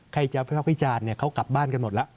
ใครเจอพระพระพิจารณ์เขากลับบ้านกันหมดแล้ว